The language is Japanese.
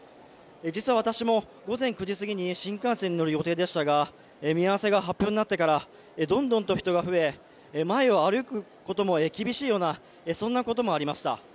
実は私も午前９時過ぎに新幹線に乗る予定でしたが見合わせが発表になってからどんどんと人が増え、前を歩くことも厳しいようなこともありました。